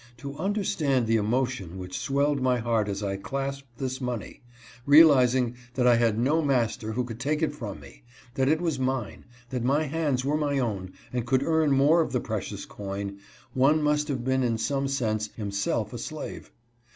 To understand the emotion which swelled my heart as I clasped this money, realizing that I had no master who could take it from me — that it was mine — that my hands were my own, and could earn more of the precious coin — one must have been in some sense himself a slave.